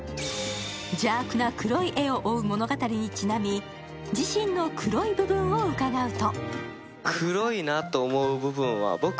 邪悪な黒い絵を追う物語にちなみに、自身の黒い部分を伺うと？